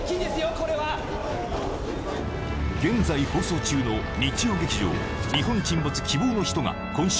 これは現在放送中の日曜劇場「日本沈没‐希望のひと‐」が今週